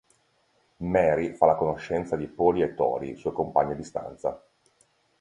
Mary fa la conoscenza di Paulie e Tori sue compagne di stanza.